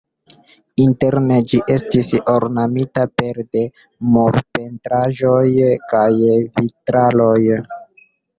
Interne ĝi estis ornamita pere de murpentraĵoj kaj vitraloj.